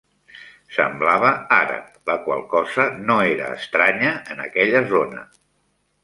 Semblava àrab, la qual cosa no era estranya en aquella zona.